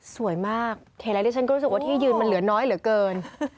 สวยมากเห็นแล้วดิฉันก็รู้สึกว่าที่ยืนมันเหลือน้อยเหลือเกิน